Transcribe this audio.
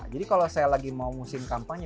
jadi kalau saya lagi mau ngusim kampanye